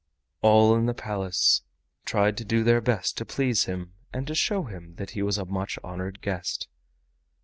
All in the Palace tried to do their best to please him and to show him that he was a much honored guest.